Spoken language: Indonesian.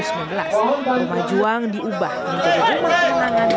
sepertinya ialah rumah juang di kawasan kumbayoran cina selatan